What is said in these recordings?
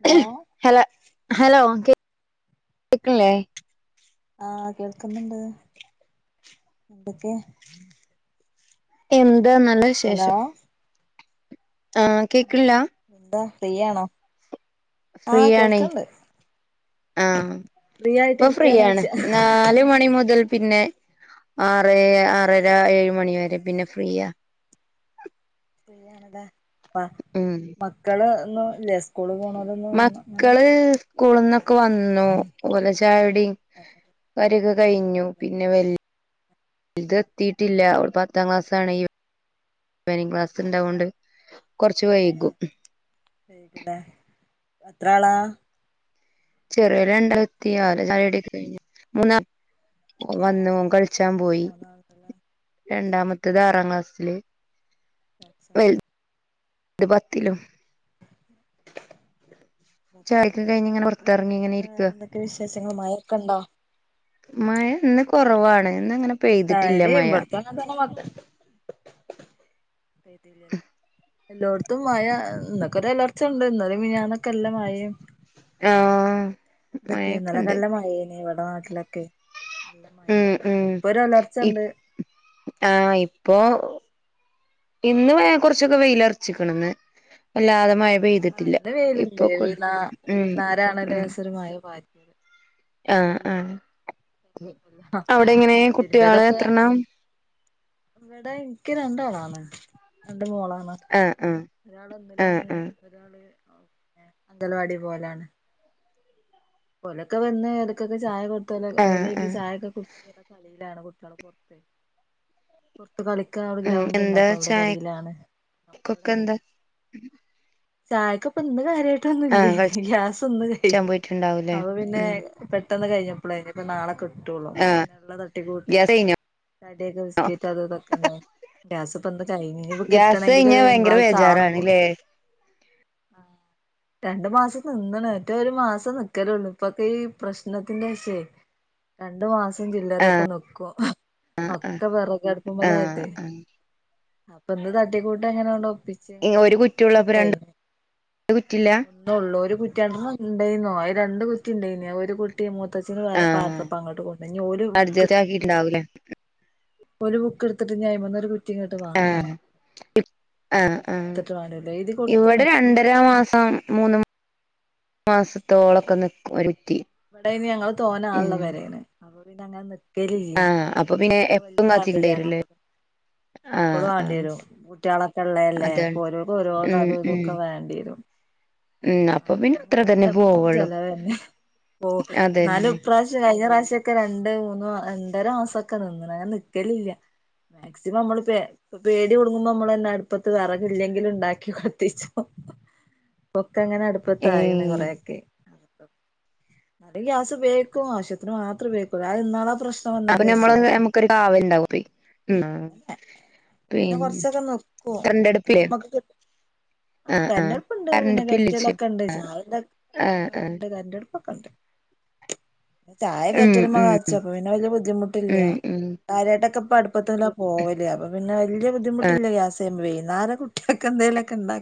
Hello Hala hello കേക്ക്ണില്ലേ ആഹ് കേൾക്കുന്നുണ്ട് എന്തൊക്കെ എന്താ ന്നാലെ ഹലോ ആ് കേൾക്കണില്ല എന്താ ഫ്രീയാണൊ ഫ്രീ ആണെ ആഹ് ഫ്രീ ആയിട്ട് പ്പൊ ഇരിക്കയാണോ ഫ്രീയാണ് ചോയ്ച്ചാ നാല്മണി മുതൽ പിന്നെ ആറേ ആറര ഏഴ്മണിവരെ പിന്നെ ഫ്രീയാ ണ അ മ് മക്കളൊന്നുല്ലേ സ്കൂള്പോണോ മക്കള് സ്കൂളിന്നൊക്കെ വന്നൂ ഓലെ ചായുടിം [unintelligible] യൊക്കെ എല്ലാം കഴിഞ്ഞു കഴിഞ്ഞില്ലേ പിന്നെ വെൽ ഫിദെത്തീട്ടില്ല ഓള് പത്താം ക്ലാസ്സാണേ ഈവനിംങ് ക്ലാസ്സുണ്ടാവോണ്ട് കൊർച്ച് വൈകും വൈകൂലെ എത്രാളാ ചെറിയോല് രണ്ടാളത്തി അവരെ ചായകുടിയൊക്കെ കഴിഞ്ഞു മൂന്നാ വന്നു ഓൻ കൾച്ചാൻ പോയി. മൂന്നാളുണ്ടല്ലേ രണ്ടാമത്തത് ആറാം ക്ലാസ് സ്ല് കൾച്ചാൻ പോയി ത് പത്തിലും ചായൊക്കെ കഴിഞ്ഞിങ്ങനെ പൊർത്തർങ്ങിങ്ങനെ ഇരിക്ക എന്താ വിശേഷങ്ങൾ മഴൊക്കെണ്ടോ മഴ ഇന്ന് കൊർവാണ് ഇന്ന് അങ്ങനെ പെയ്തിട്ടില്ല മഴ എന്താ അന്റെ മക്ക് പെയ്തില്ലലേ എല്ലോട്ത്തും മഴ ഇന്നൊക്കെ ഒരു എലർച്ചണ്ട് ഇന്നലെമെനിനാന്നൊക്കെ നല്ല മഴയും ആഹ് ഇന്നൊക്കെ ഇന്നലെ മഴൊക്കെണ്ട് നല്ലമാഴേന് ഇവിടെ നാട്ടിലൊക്കെ നല്ല ഉം ഉം മഴയാണ്ഇപ്പോ ഒരുഒലർച്ചണ്ട് ആഹ് ഇപ്പോ ഇന്ന് ഇവ കൊർച്ചൊക്കെ വെയ്ലർച്ചിക്ക്ണ്ന്ന് വല്ലാതെ മഴ ആ പെയ്തിട്ടില്ല ഇന്ന് വെയിലുണ്ട് ഇപ്പൊ കൊല് മ് മ് ഒരു മഴ പാ [unintelligible] ആഹ് ആഹ് കൊഴപ്പൊന്നുല്ല അവിടെ എങ്ങനെ കുട്ടിയാള് എത്രണ്ണം ഇവടെ ഇൻക്ക് രണ്ടാളാണ് രണ്ട് മോളാണ് ആഹ് ആഹ് ഒരാള് ആഹ് ഒന്നിലാണ് ആഹ് ഒരാള് അ പിന്നെ അങ്കലവാടീല് പോലാണ് ഓലൊക്കെ വന്ന് ഓർക്കൊക്കെ ചായ കൊട്ത്ത് മേല് ആഹ് കൈകി ആഹ് ചായൊക്കെ കുട്ച്ച്ങ്ങനെ കളീലാണ് കുട്ടിയാള് പൊർത്തെ പൊർത്ത് കളിക്കാൻ അവിടെ ഉം ഗ്രൗണ്ടുണ്ട് എന്താ അപ്പൊ അവിടെ കളീലാണ്. ചായക്കൊക്കെ എന്താ ചായക്കിപ്പം ഇന്ന് ആഹ് കാര്യയായിട്ടൊന്നുല്ലേ ഗ്യാസിന്ന് കളിച്ചാൻ കഴിഞ്ഞ് പോയിട്ടുണ്ടാവൂലേ അപ്പൊ പിന്നെ ഉം പെട്ടെന്ന് കഴിഞ്ഞപ്പളെ ഇനിപ്പം നാളെ കിട്ടുള്ളു ആഹ് പിന്നെള്ളത് തട്ടിക്കൂട്ടി ഗ്യാസ് കഴിഞ്ഞോ കടിയൊക്കെ ബിസ്ക്കറ്റ് അതു ഇതൊക്കെ ഇണ്ടായീനി. ഗ്യാസ് ഇപ്പന്ന് കയിഞ്ഞ് ഇനി ഇപ്പ ഗ്യാസ് കിട്ടണെങ്കില് കഴിഞ്ഞാ ഒര് ഭയങ്കര തിങ്കളാഴ്ച ആവണം പോ ബേജാറാണ്ല്ലേ രണ്ട് മാസം നിന്ന്ണ് മറ്റെ ഒരു മാസം നി നിക്കലൊള്ളു ഇപ്പൊക്കെ ഈ പ്രശ്നത്തിന്റേശേ രണ്ട്മാസ് [unintelligible] ചില്ലറൊക്കെ നിക്കും ആഹ് ഒക്കെ ആഹ് വെറെകടുപ്പുമ്മലായിട്ടേ ആഹ് അപ്പൊ ഇന്ന് തട്ടിക്കൂട്ടങ്ങനെണ്ടൊപ്പിച്ചു. ഏ ഒരു കുറ്റിയോള്ളപ്പോ രണ്ട് കുറ്റില്ല ഒന്നേള്ളൂ ഒരു കുറ്റി [unintelligible] ഉണ്ടേയ്നു അയ്രണ്ട് കുറ്റി ഉണ്ടേയ്നു ഒരു കു റ്റി മൂത്തച്ചീടെ ആഹ് [unintelligible] ങ്ങോട്ട് കൊണ്ടോയീന് ഇഞ്ഞ് ഓല് അഡ്ജസ്റ്റ് ബുക്ക്‌ട്ത്ത്ട്ട് ആക്കിട്ടുണ്ടാവൂലേ ഓല് ബുക്ക്ട്ത്തിട്ട് അയ്മ്മന്നൊരു കു പുതിയ ആഹ്ആഹ്ആഹ് എടുത്തിട്ട് വേണ്ടല്ലോ എഴുതി കൊടുത്ത്ണ് ഇവടെ രണ്ടര മാസം മൂന്ന് മാസത്തോളൊക്കെ നിക്കും ഒരു കുറ്റി ഇവടെയ്ല്ഞ്ഞ് ഞങ്ങള് തോന്നെ ആളുള്ള ഉം പെരാണ് അപ്പോപിന്നെ അങ്ങനെ നിക്ക് ലില്ല. ആഹ് അപ്പൊ പിന്നെ ഞങ്ങള് വല്യയ എപ്പം ഫാമിലിയാണ് അപ്പ കാത്തിണ്ടേരൂല്ലേ ആഹ് എപ്പളും ആഹ് വാണ്ടിയെരും കുട്ടിയാളൊക്കെ ഇള്ളല്ലേ അതാണ് അപ്പോ ഓരോന്ന് ഓരോന്ന് ഉം അതും ഉം ഇതൊക്കെ വേണ്ടിയെരും. ഉം അപ്പൊ പിന്നെ അത്ര തന്നെ പോവൊള്ളൂ. [unintelligible] ഇന്നാലും ഇപാവശ്യം കഴിഞ്ഞ പ്രാവശ്യ ഒക്കെ രണ്ട് മൂന്നു രണ്ടര മാസൊക്കെ നിന്ന്ണ് അങ്ങനെ നിക്കലില്ല മാക്സിമം നമ്മളിപ്പെ ഇപ്പൊ പേടി കൊടുങ്ങുമ്പോ നമ്മളന്നെ അടുപ്പത്ത് വിറകില്ലെങ്കിലും ഉണ്ടാക്കി കൊളത്തിച്ചോ പൊക്കെ അങ്ങനെ അടുപ്പത്ത ആായിണ് ഏഹ് കൊറെയൊക്കെ നല്ല ഗ്യാസ് ബേക്കും ആവശ്യത്തിന് മാത്രംേക്കൂ ഇന്നാെ ആ പ്രശ്നം അപ്പൊ നമ്മള് വന്നേന്റെഷേ നമുക്കരു കാവംുണ്ടായി ഉ പിന്നെ കുറച്ചൊക്കെ നോക്കുവ മറ്റേ കറണ്ടടുപ്പില്ലേ നമ്മക്ക് കി ആ ആഹ് ആഹ് കരണ്ടടുപ്പ്ണ്ട് കറണ്ട് പിന്നെ ബില്ലിച്ചു കെറ്റലൊക്കെ ഉണ്ട് ചായല്ല ആ ആഹ് ആഹ് ഉണ്ട് കരണ്ടടുപ്പ് ചായ ഉം കയറ്റലമ ഉം കാച്ചപ്പ പിന്നെ വല്ിയ ബുദ്ധിമുട്ടില്ല ഉം ഉം കാര്യട്ടൊക്കെപ്പൊ അടുപ്പത്തന്ന പോകലല്ലേ അപ്പ പിന്നെ വിയ ബദ്ിമുട്ടില്ല ഗ്യാസ് ചെയ്യുമ്പോ വട്ട [unintelligible] ക്കെന്തേലൊക്കണ്ടാ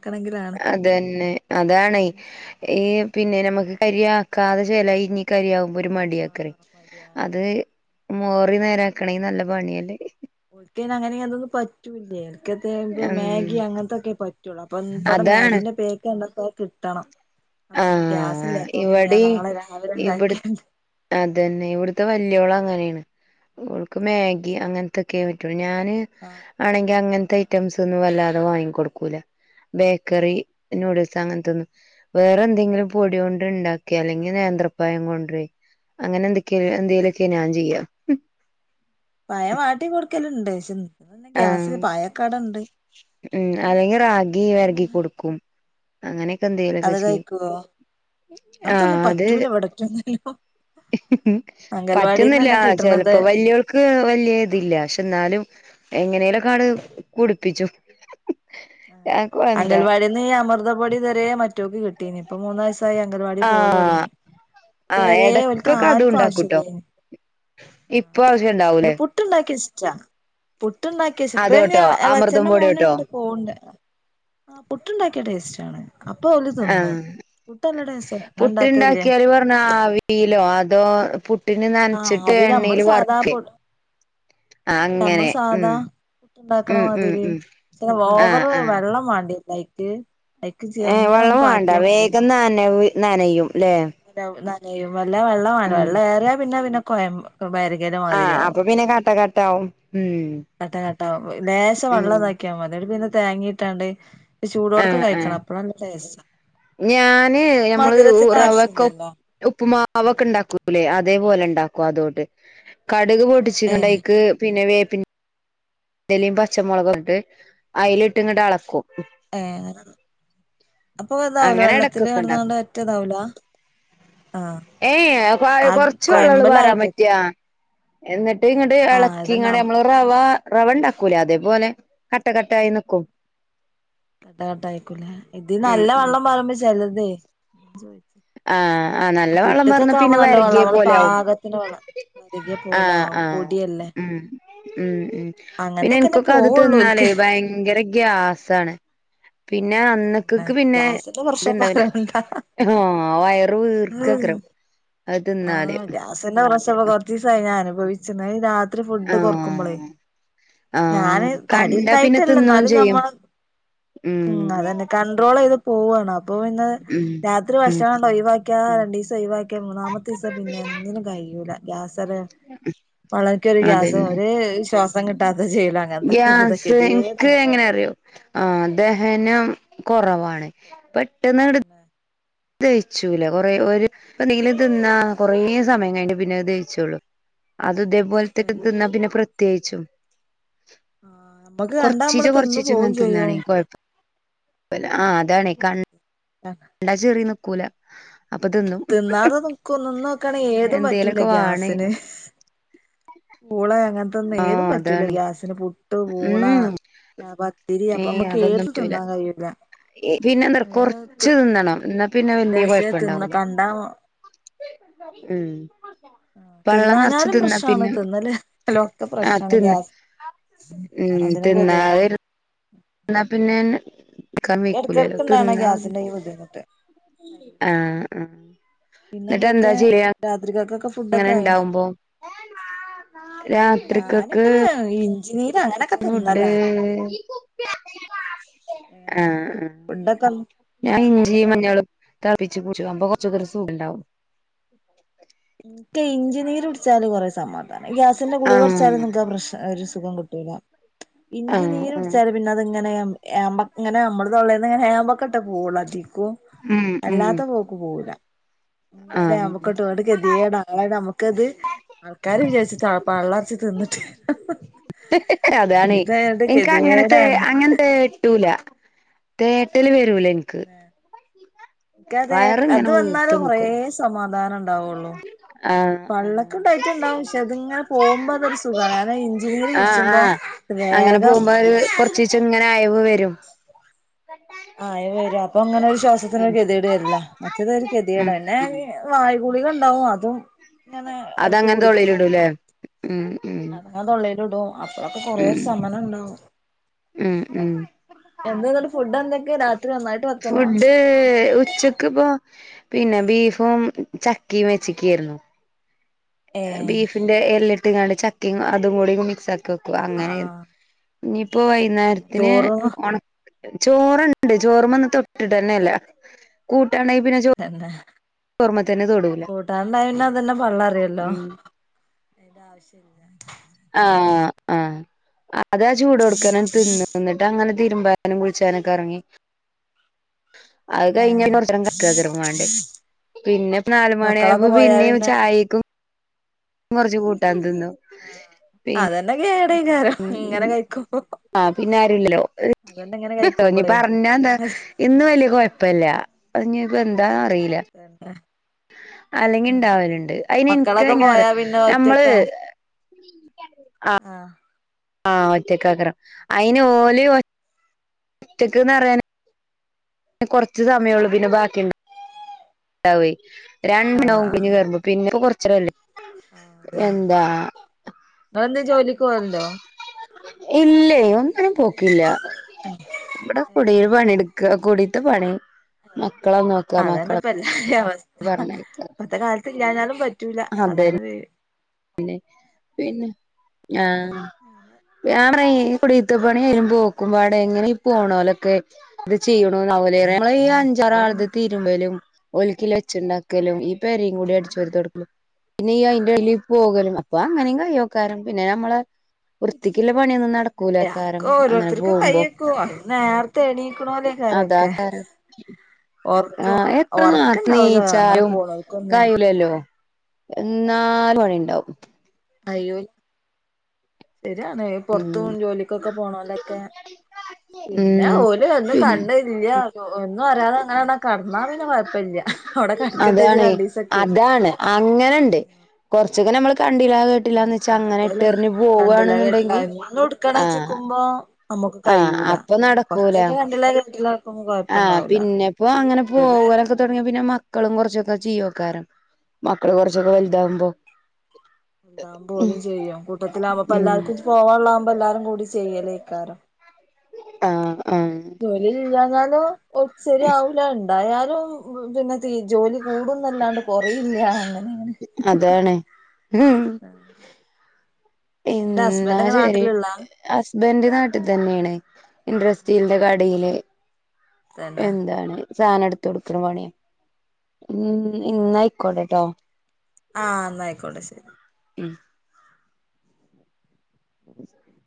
അത തന്നെ അതാണ ഈ പിന്നെ നമുക്ക് കരിയാക്കാതെ ചെില ഇനി കരി ആവുമ്പോ ഒരു മടിയക്കറി ആഹ് മടിയാണ് അത് മോറി നേരാക്കണമെങ്കിൽ നല്ല പണിയല്ലേ അങ്ങനെന്തൊ പറ്റല്ലേ എനിക്കത്തെ ഇ ഉം മാഗി അങ്ങനത്തെൊക്കെ പറ്റുള്ളൂ അപ്പം ഇവിടെ അതാണ് മാഗിന്റെ പേക്ക് ഉണ്ട കിട്ടണം ന പറഞ്ഞാൽ ആഹ് ഗ്യാസില്ലാത്തൊണ്ട് നീ ഇവടിം നാളെ രാവിലെ ഇവിട് ഉണ്ടാക്കിയ അതന്നെ ഇവിടുത്തെ വല്ിയോളം അങ്ങനെയാണ് ഇവിടുക്ക് മാഗി അങ്ങനത്തെ ക്കേ വെക്കണ് ഞാന് ആ ആണെങ്കി അങ്ങനത്തെ ഐറ്റംസ് ഒന്നും വല്ലാതെ വാങ്ങി കൊടുക്കൂല ബേക്കറി നൂഡിൽസ് അങ്ങനെ തൊന്നും വേറെ എന്തെങ്കിലും പൊടിയണ്ട് ഉണ്ടാക്കിയ അല്ലെങ്കിൽ നേന്ത്രപായം കൊണ്ട അങ്ങനെ എന്തൊക്ക എന്തലൊക്കെ ഞാൻ ചെയ്യാം പയം വാട്ടി കൊടുക്കലുണ്ട് ഇന്നെ ആഹ് ഗ്യാസ് പായക്കാട്ണ്ട് ഉം പിന്നെ അല്ലെങ്കിൽ എന്ത അങ്ങനെയൊെ എന്ത ലും അത് കഴിക്കുവോ അങ്ങനത്തൊ ആഹ് ഒന്നും അത് പറ്റൂല എവിടക്ക ഒന്നോ പറ്റുന്നില്ല കിട്ടണത് ചെലപ്പോ വലിയ ക്ക് വലിയ ഇതില്ല പക്ഷെ എന്നാലും എങ്ങനെല കാാട് കുടിപ്പിച്ചു ആ എന്താ അംഗൽവാടിൽ നിന്ന് ഈ അമൃതപൊടി തരെ മറ്റോക്ക് കിട്ടീനി ഇപ്പ മൂന്നാഴ് അംഗൽവാടി പോല ആഹ് തുടങ്ങി ആഹ് ഇതുവരെ വലത്ത എടക്കൊക്കെ അതും ആർക്കും ഉണ്ടാക്കൂട്ടോ ആവശ്യമായി ആ ഇപ്പൊ ആവശ്യം അ ഉണ്ടാവൂലേ പുട്ടുണ്ടാക്കി ഇഷ്ട പുട്ടുണ്ടാക്കി ശ ഇപ്പ അതോട്ടോ അമൃതം ഇളച്ചന്റെ പൊടിയോട്ടോ മോനുണ്ട് പോവണ്ട് ആ പുട്ടുണ്ടാക്കിയ ടേസ്റ്റ് ആണ് അപ്പൊ അവഓല് ആഹ് തിന്നും പുട്ടല്ല ടേസ് അ ഉണ്ടാക്കല്ലേ ആവിലോ അതോ പുട്ടിന് ആ നനച്ചിട്ട് ആവില് എണ്ണൽ നമ്മള് സാധാ വർക്ക് പൊ ആ അങ്ങനെ ഉം ഉണ്ടാക്കണ ഉം ഉം മാതിരി ഉം ആഹ് ഓവറ് ആഹ് വെള്ളം വേണ്ടിയ ലൈ അയക്ക് ചിറങ്ങന ഒന്ന് പാറ്റിയാൽ മതിന്നു [unintelligible] നാനയും അല്ലേ നും വല്ല വെള്ളമാണ് വെള്ളം ഏറിയ പിന്നെ പിന്നെ കൊ വക ആ് അപ്പൊ പിന്നെ കാട്ട കാട്ട ആാവവും ഉ കട്ട കട്ട ലേശം വെള്ളംതാക്കിയാ മലടി പിന്നെ തേങ്ങിട്ടാണ്ട് ചൂടോടൊക്കെ ആഹ് ആഹ് കഴിക്കണം അപ്പഴല്ല സ് ഞാന് മധുരത്തിന് ആവശ്യ ഇില്ലല്ലോ ഉപ്പുമാവ ഒക്കെ ഉണ്ടാക്കൂല്ലേ അതേപോലെ ഉണ്ടാക്കും അതോട്ട് കടുക് പട്ടി ഏഹ് ണ്ടക്ക് പിന്നെ വേ ഇന്തലിയും പച്ചമുളക ഇട്ട് അതിലിട്ട് ഇങ്ങോട്ട് അളക്കും ഏന അപ്പൊ എതാവലോ അങ്ങനെ വെള്ളത്തില് ഇടക്കൊക്കെ ഇറന്ന ഉണ്ടാക്കും കൊണ്ട് ഒറ്റതാവലോ ആഹ ഏയ് ആ കൊറച്ച് വെള്ളള്ളൂ പാരാൻ കോയമ്പലായിട്ടേക്ക പറ്റാ എന്നിട്ട് ഇങ്ങോട്ട് ഇളക്കി ഇങ്ങട്ട നമ്മ റവ റവ ഉണ്ടാക്കൂല അതേപോലെ കട്ട കട്ട ആയി നക്കും കട്ട കട്ട ആയിക്കൂല ഇത് ഉം നല്ല ഉം വെള്ളം പറയുമ്പോ ചെലതേ ചോ ആഹ് ആ നല്ല വളം പറഞ്ഞ പിന്നെ വെള്ളം വരകിയ നമ്മള് പോലെ ആകും പാകത്തിന് വെള്ളം വരകിയ ആഹ പോലെ ആവും ആഹ പൊടിയല്ലേ ഉം ഉം ഉം പിന്നെ അങ്ങനത്തൊക്കെന്നെ എന്ക്കൊക്കെ അത് പോവുള്ളൂ തിന്നാലേ ഓൽക്ക് ഭയങ്കര ഗ്യാസാണ്. പിന്നെ അന്നക്കക്ക് പിന്നെ ഗ്യാസിന്റെ പ്രശ്നം ഇത്ണ്ടാവില്ലാ പറയണ്ട ഹാ ആഹ് വയറ് വീർക്കക്കരം അത് തിന്നാല് ആഹ് ഗ്യാസിന്റെ പ്രശനം കൊറച്ചീസായി ഞാൻ അനുഭവിച്ന്ന് രാത് ഇ ഫുഡ് കൊറക്കുമ്പളേ ആഹ് ആഹ് ഞാന് തടി കണ്ടാ പിന്നെ ഉണ്ടായിട്ടല്ല തിന്നോം എന്നാലും ഞമ്മ ചെയ്യും ഉം അതന്നെ കൺട്രോള് ചെയ്ത് പോവാണ് അപ്പൊ പിന്നെ ഉം രാത്രി ഉം ഭക്ഷണം അങ്ങട് ഒഴിവാക്കി ആഹ് രണ്ടീസം ഒഴിവാക്കിയാ മ [unintelligible] പിന്നെ എന്തിനും കയിയൂല്ല. ഗ്യാസേറിയ പള്ളേൽക്ക് ഒരു ഗ്യാസും അതന്നെ ഒരേ ശ്വാസ ദ കിട്ടാതെ ചെയ്ല ഗ്യാസ് എനിക്ക് എങ്ങനെ അറിയോ ആഹ് ദഹനം കുറവാണ് പെട്ടെന്ന് എടു തന്നെ ദയിച്ചൂല കൊറേ ഒരു എന്തെങ്കിലും തിന്നാ കൊറേ സമയം കഴിഞ്ഞ് പിന്നെ ദഹിച്ചോള്ളു. അത് തേപോലത്തെക്കെ തന്നെ തിന്നാ പിന്നെ പ്രത്യേകിച്ചും. ആ ആ നമ്മക്ക് കണ്ടാ കൊറച്ചീച്ച നമ്മള് തിന്നു കൊറച്ചീച്ച പോവും ഇങ്ങനെ ചെയ്യും തിന്നാണെ കൊഴപ്പം ആഹ് അതാണേ കൺ ആഹ് [unintelligible] നിക്കൂല അപ്പൊ തിന്നും തിന്നാതെനിക്കൂ നിന്ന് നോക്കാണെങ്കിൽ ഏതും പറ്റൂല എന്തേലൊക്കെ ഗ്യാസിന്. വാണേനും പൂള അങ്ങനത്തൊന്നും ഏതും ആഹ് പറ്റൂല അതാണ് ഗ്യാസിന് പുട്ട്, പൂള ഉം പത്തിരി അപ്പൊ ഏയ് മ്മക്ക് അതൊന്നും ഏത് പറ്റൂല തിന്നാൻ കയിയൂല്ല. പിന്നെന്താ ഏഹ് കൊറച്ച് തിന്നണം എന്നാ പിന്നെ വല്യ [unintelligible] തിന്ന കൊഴപ്പണ്ടാവൂല കണ്ടാ ഉം പള്ളം നറച്ച് തിന്നാഞ്ഞാലും തിന്നാ പ്രശ്നാണ് പിന്നെ തിന്നല്ലിലും ഒക്കെ ആ പ്രശ്നാണ് തിന്ന് ഗ്യാസ് ഉം അതിനും ഗതികേടാണ് തിന്നാതിരി എന്നാ പിന്നെൻ ക വിക്കൂലല്ലോ ഇടക്കിടക്ക് ഇണ്ടാവണ തിന്ന ഗ്യാസിന്റെ ഈ ബുദ്ധിമുട്ട് ആഹ് ആ പിന്നെ എന്നിട്ടെന്താ എന്തൊക്കെ ചെയ്യ രാത്രികക്കൊക്കെ ഫുഡൊക്കായിഞ്. രാത്രിക്കക്ക് ഞാനിങ്ങനെ ഇഞ്ചിനീരങ്ങനെ ഫുഡ് അങ്ങനെ ആഹ് ആഹ് [unintelligible] ഞ ഇഞ്ചിയിം മഞ്ഞളും തെളപ്പിച്ച് കൂച്ചുമ്പൊ കൊറച്ചോസൊരു സുഖണ്ടാവും. ക്ക് ഇഞ്ചിനീര് കുടിച്ചാല് കൊറേ സമാധാനം ഗ്യാസിന്റെ ഗുളികാടിച്ചാലും ആഹ് നിങ്ങക്ക് ആ പ്രശ്നം ഒരു സുഖം കിട്ടു [unintelligible] ആഹ് ആഹ് ഇഞ്ചിനീരുടിച്ചാലും പിന്നെ അതിങ്ങനെ എമ്പ് ഏമ്പക്കം ഇങ്ങനെ നമ്മള് തൊള്ളന്ന്ങ്ങനെ ഏമ്പക്കൊട്ടെ പോവൊള്ളൂ [unintelligible] ഉം ഉം അല്ലാത്ത പോക്ക് പോവൂല്ല ആഹ് ഏമ്പക്കം ഇട്ടപാട് ഗതിയേട ആല്ലേ നമുക്കത് ആൾക്കാര് വിചാരിച്ചിട്ടാ പള്ളർച് തിന്നിട്ട് [unintelligible] അതാണ് ഇതായോണ്ട് എൻക്ക് അങ്ങനത്തെ ഗതികേടാണ് ങ്ങനെ തേട്ടൂല തേട്ടല് വരൂല്ലെനിക്ക് ക്ക് തേ വയറ് അത് ഇങ്ങനെ വന്നാല വീർത്ത് കൊറേ നിക്കും സമാധാനം ഉണ്ടാവൊള്ളു. ആഹ് പള്ളക്കും ടൈറ്റ്ണ്ടാകും പക്ഷെ അതിങ്ങനെ പോക്മ്പോ അതൊരു സുഖാണ് അതാ ഇഞ്ചിനീര് ആഹ് കുടിച്ചപ്പോ വേഗം കൊറച്ചീച്ചങ്ങനെ അയവ് വരും. ആഹ് അയവ് വരും. അപ്പൊങ്ങനെ ശ്വാസത്തിനൊരു ഉം ഗതികേട് വരൂല്ല മറ്റത് ഒരു ഉം ഗതികേടാല്ലേ ഉം വായ്ഗുളിക ഉണ്ടാവും അതും ഞാൻ എടക്ക് അതങ്ങനെ കുടിക്കും തൊള്ളിലിടൂലേ ഉം ഉം ഞാൻ തോള്ളെൽ ഇടും അപ്പഴൊക്കെ കൊറേ ഉം സമനം ഇണ്ടാവും. ഉം ഉം എന്ത എന്നിട്ട് ഫുഡ് എന്തൊക്കെയ രാത്രി നന്നായി ഫുഡ്ഡ് ഉച്ച ക്ക്‌ ഇപ്പോ പിന്നെ ബീഫും ചക്കിം വെച്ച്ക്കേയിരുന്നു ഏ ബീഫിന്റെ എല്ലിട്ട്ങ്ങാണ്ട് ചക്കിം അതും കൂടി മിക്സ് ആ ക്കെക്കും ആ അങ്ങനെ ആ ഇനിയിപ്പോ വൈന്നേരത്തിന് ചോറും ഒണ ചോറ്ണ്ട് ചോറുമ്മ ഇന്ന് തൊട്ട്ട്ടെന്നെ ഇല്ല കൂട്ടാണ്ടേ പിന്നെ ചോ തന്നെ കൂട്ടാൻഉണ്ടായ പിന്നെ അതന്നെ പള്ളറയല്ലോ ഉം പിന്നെ ആവശല്ല്യ ആഹ് ആഹ് അ അതാ ചൂടോട്ക്കനാണ്ട് തിന്ന എന്നിട്ടങ്ങനെ തിരുമ്പാനും കുളിച്ചാനൊക്കെ എറങ്ങി അത് കഴിഞ്ഞ ആ കുറച്ച് നേരം [unintelligible] പിന്നെ ഇപ്പോ നാല് മണി ആയ്പ്പോ മക്കളൊക്കെ പോയാ പിന്നേം പിന്നെ ചായക്കും കുറച്ച് കൂട്ടാൻ തിന്നും ആഹ് അതന്നെ കേടയ്ക്കാരം ഇങ്ങനെ കഴിക്കുമ്പോ ആഹ് പിന്നെ ആരുല്ലല്ലോ അതന്നെ ഇങ്ങനെ തോഞ്ഞി കഴിക്കുമ്പളേ പറഞ്ഞാന്താ ഇന്ന് വല്യ കൊയപ്പല്ല്യ അത് ഇഞ്ഞി ഇപ്പ എന്താന്ന് അറീല്ല [unintelligible] അല്ലെങ്കി ഇണ്ടാവല്ണ്ട് അയിന് ഇൻക്ക് മക്കളൊക്കെ എങ്ങനേ അറിയോ പോയാ പിന്നെ നമ്മള് ഒറ്റക്കാ ഇതിന്റേണ് ആഹ് ആഹ് ഒറ്റക്കാക്കരം അയിന് ഓല് ഒ ഒറ്റയ്ക്ക്‌ന്ന് പറയാന് കൊറച്ച് സമയൊള്ളൂ പിന്നെ ബാക്കിയിണ്ട ണ്ടാവേയ് രണ്ടെണ്ണം ആഹ് കുനിഞ്ഞ്കേറുമ്പോ പിന്നെപ്പൊ കൊറച്ചേ ആഹ് അതെ ഇപ്പൊ എന്തേ ജോലിക്ക് പോവല്ണ്ടോ ഇല്ലേയ് ഒന്നിനും പോക്കില്ല [unintelligible] ഇവിടെ കുടിയിൽ പണി ഇട്ക്ക കുടീത്തെ പണി മക്കളെ നോക്ക അതന്നെ മക്കളെ ഇപ്പ എല്ലാരിം അവസ്ഥ പറഞ്ഞയക്ക ഇപ്പത്തെ കാല ഇല്ലാഞ്ഞാലും പറ്റൂല്ല അതാണത് പിന്നെ പിന്നെ ഞാ ഞാൻ പറയും ഈ കുടീത്ത പണിം ഈ പോക്കും പാടെ എങ്ങനെ ഈ പോണോലൊക്കെ എന്ത് ചെയ്യണോന്നാവലെ [unintelligible] നമ്മളെ ഈ അതന്നെ അഞ്ചാറാളത് തിരുമ്പലും ഓല്ക്കില്ല വെച്ച് ഇണ്ടാക്കലും ഈ പെരെം കുടിം അടിച്ചു അതന്നെ വാരി തൊടക്കലും പിന്നെ ഈ അയിന്റെ ല്ലി പോകലും അപ്പൊ അങ്ങനേം കയ്യോക്കാരം പിന്നെ നമ്മളെ വൃത്തിക്ക്ള്ള പണിയൊന്നും നട ക്കൂലാക്കാരം എല്ലാർക്കും അങ്ങനെ ഓരോരുത്തർക്കും പോകുമ്പോ കയ്യെക്കും അത് നേരത്തെ എണീക്കണോലേക്കാരൊക്കെ അതാക്കാരം ആ ഒറക്കം എത്ര നാർത്തെ ഒറക്കണ്ടാവൂല അങ്ങനെ നീച്ചാലും പോണോൽക്കൊന്ന് കയൂലല്ലോ ശരിയാണ് എന്നാൽ പണി ഉണ്ടാവും അയ്യോ ശരിയാണ് ഈ ഉം പൊറത്ത് പോണ് ജോലി ക്കൊക്കെ പോണോലൊക്കെ പിന്നെ ഉം ഓല് ഒന്ന് പിൻ കണ്ണ് ഇല്ല്യ ഒന്നു അറിയാതെ അങ്ങനന്നേ കെടന്നാ പിന്നെ കൊഴപ്പല്ല്യ അവടെ തെടക്കട്ടേച്ചിട്ട് രണ്ടീസൊക്കെ അങ്ങനണ്ട് കൊറച്ചൊക്കെ നമ്മള് കണ്ടില്ല കേ ട്ടില്ലാന്ന് വെച്ച് അങ്ങനെ അങ്ങനത്തോലുണ്ട് ഇട്ടെറിഞ്ഞ് കണ്ടില്ല കേട്ടില്ല പോവാണ്ന്നുണ്ടെങ്കി എന്നും ആഹ് [unintelligible] ആഹ് കഴിയൂല അപ്പൊ നടക്കൂല കൊറച്ചൊക്കെ കണ്ടില്ല കേട്ടില്ല കേക്കുമ്പോ ആഹ് കൊഴപ്പുണ്ടാവൂല പിന്നപ്പോ അങ്ങനെ മറ്റേത് പോവലൊക്കെ തൊടങ്ങിയ പിന്നെ മക്കളും കൊറച്ചൊക്കെ ചെയ്യോക്കാരം മക്കള് കൊറച്ചോ അതന്നെ വലുതാവുമ്പോ ഉം ഓലും ചെയ്യും കൂട്ടത്തിലാവുമ്പോ ഇപ്പൊ ഉം എല്ലാർക്കും ചെ പോവാള്ളാവുമ്പോ എല്ലാരും കൂടി ചെയ്യലേയ്ക്കാരം ആഹ് ആഹ് ജോലി ഇല്ല്യാഞ്ഞാലും ഒ ശരിയാവൂല ഉണ്ടായാലും പിന്നെ തീ ജോലി കൂടുംന്നല്ലാണ്ട് കൊറയില്ല അങ്ങനെ ഇങ്ങനെ അതാണ് ഉം എന്റെ എന്നാ ഹസ്ബൻഡ് ഒക്കെ ശെരി. നാട്ടിലുള്ള ഹസ്ബൻ്റ നാട്ടിൽ തന്നെയാണ്. ഇൻഡസ്രീലിന്റെ കടയില്. തന്നെ എന്താണ് സാധനം എടുത്ത് കൊടുക്കണ പണിയാ. ഉം ഇന്ന കൊട് ട്ടോ ആഹ് അന്നായിക്കോട്ടെ ശരി. ഉം [unintelligible]